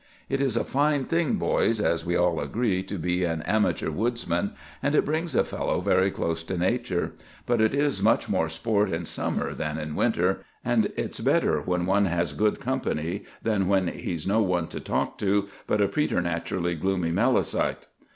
It is a fine thing, boys, as we all agree, to be an amateur woodsman, and it brings a fellow very close to nature; but it is much more sport in summer than in winter, and it's better when one has good company than when he's no one to talk to but a preternaturally gloomy Melicite.